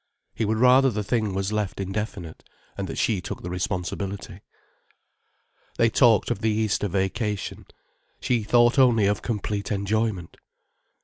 He would rather the thing was left indefinite, and that she took the responsibility. They talked of the Easter vacation. She thought only of complete enjoyment.